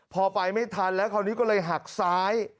พอไปไม่ทันแล้วคราวนี้ก็เลยหักซ้าย